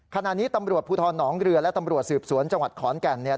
ขณะนี้ตำรวจภูทรหนองเรือและตำรวจสืบสวนจังหวัดขอนแก่นเนี่ย